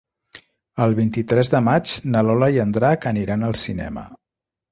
El vint-i-tres de maig na Lola i en Drac aniran al cinema.